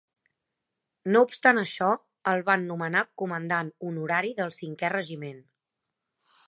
No obstant això el van nomenar comandant honorari del Cinquè Regiment.